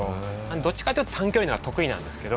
どっちかっていうと短距離の方が得意なんですけど。